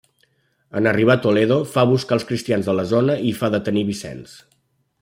En arribar a Toledo, fa buscar els cristians de la zona i fa detenir Vicenç.